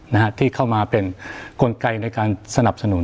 นะครับที่เข้ามาเป็นคุณไทรในการสนับสนุน